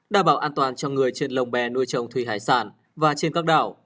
đảm bảo an toàn cho người trên lồng bè nuôi trồng thủy hải sản và trên các đảo